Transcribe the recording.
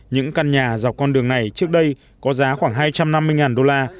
những căn nhà dọc con đường này trước đây có giá khoảng hai trăm năm mươi đô la